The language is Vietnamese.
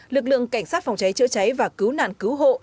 lực lượng cảnh sát phòng cháy chữa cháy và cứu nạn cứu hộ